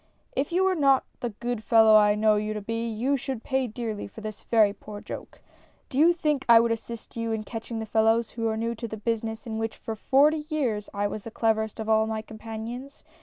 " If you were not the good fellow I know you to be, you should pay dearly for this very poor joke ! Do you think I would assist you in catching the fellows who are new to the business in which for forty years I was the cleverest of all my companions